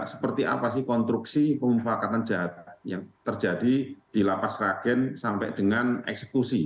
seperti apa sih konstruksi pemufakatan jahat yang terjadi di lapas ragen sampai dengan eksekusi